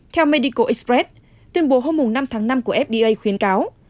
theo medical express tuyên bố hôm năm tháng năm của fda khuyến cáo